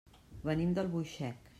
Venim d'Albuixec.